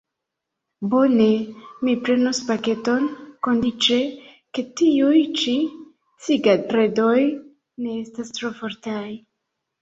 Bone, mi prenos paketon, kondiĉe, ke tiuj ĉi cigaredoj ne estas tro fortaj.